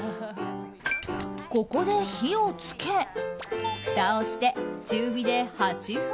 ここで火を付けふたをして、中火で８分。